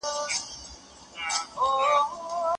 د ښارونو جوړول عصبیت کم کړ.